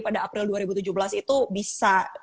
pada april dua ribu tujuh belas itu bisa